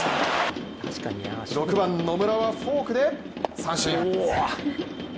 ６番・野村はフォークで三振。